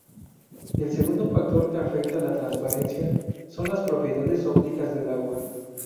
El segundo factor que afecta la transparencia son las propiedades ópticas del agua.